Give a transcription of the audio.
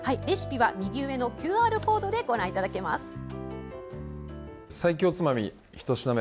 レシピは右上のＱＲコードでご覧いただけます。